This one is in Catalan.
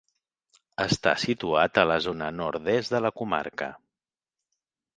Està situat a la zona nord-est de la comarca.